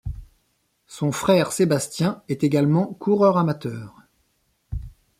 Son frère Sébastien est également coureur amateur.